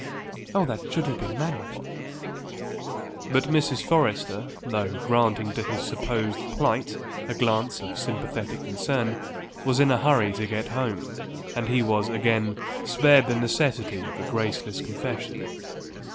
Oh, that should have been managed." But Mrs. Forrester, though granting to his supposed plight a glance of sympathetic concern, was in a hurry to get home and he was, again, spared the necessity of a graceless confession.